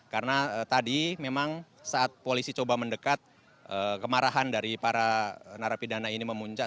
karena tadi memang saat polisi coba mendekat kemarahan dari para narapidana ini memuncak